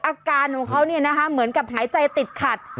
อาการของเขาเหมือนกับหายใจติดขัด